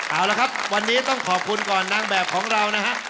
เอาละครับวันนี้ต้องขอบคุณก่อนนางแบบของเรานะฮะ